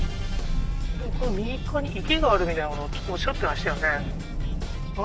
この右側に池があるみたいなことおっしゃってましたよね